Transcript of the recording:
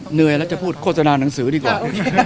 เหนื่อยแล้วจะพูดโฆษณาหนังสือดีกว่า